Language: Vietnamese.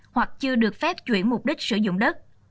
hoặc chưa được phép chuyển mục đích sử dụng đất